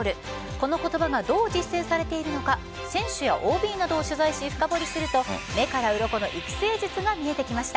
この言葉がどう実践されているのか選手やＯＢなどを取材し、深掘りすると目からうろこの育成術が見えてきました。